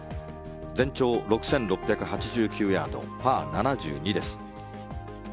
全長６６８９ヤードパー７２です。